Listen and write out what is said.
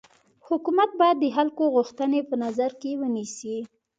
حکومت باید د خلکو غوښتني په نظر کي ونيسي.